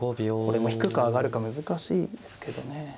これも引くか上がるか難しいですけどね。